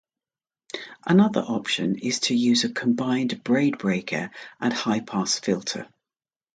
Another option is to use a combined braid breaker and high-pass filter.